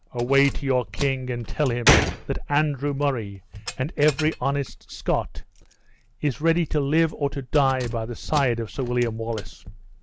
Away to your king and tell him that Andrew Murray, and every honest Scot, is ready to live or to die by the side of Sir William Wallace."